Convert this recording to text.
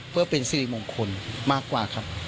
เพื่อเป็นสิริมงคลมากกว่าครับ